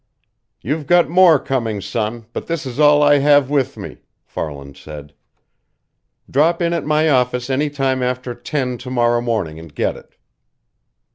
"You're got more coming, son, but this is all I have with me," Farland said. "Drop in at my office any time after ten to morrow morning and get it."